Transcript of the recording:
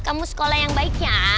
kamu sekolah yang baik ya